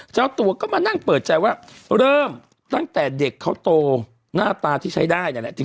เจ้าตัวก็มานั่งเปิดใจว่าเริ่มตั้งแต่เด็กเขาโตหน้าตาที่ใช้ได้นั่นแหละ